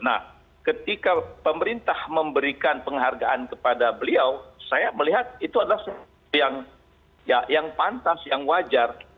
nah ketika pemerintah memberikan penghargaan kepada beliau saya melihat itu adalah sesuatu yang pantas yang wajar